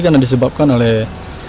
karena disebabkan oleh